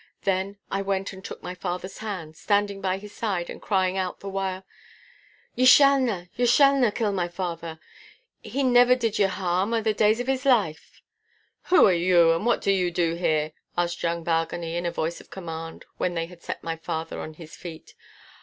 Then I went and took my father's hand, standing by his side and crying out the while,— 'Ye shallna, ye shallna kill my father. He never did ye harm a' the days o' his life!' 'Who are you, and what do you here?' asked young Bargany in a voice of command, when they had set my father on his feet.